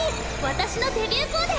私のデビューコーデ！